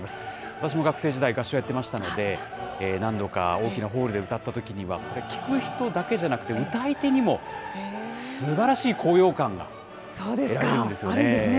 私も学生時代、合唱をやってましたので何度か大きなホールで歌ったときには、聴く人だけじゃなくて歌い手にもすばらしい高揚感があるんですね。